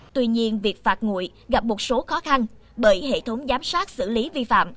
tuy nhiên việc phạt nguội gặp một số khó khăn bởi hệ thống giám sát xử lý vi phạm